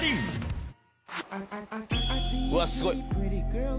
うわすごい。